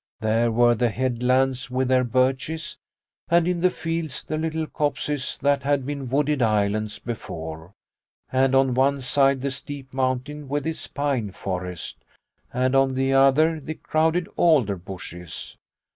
There were the headlands with their birches, and in the fields the little copses that had been wooded islands before, and on one side the steep mountain with its pine forest, and on the other the crowded alder bushes.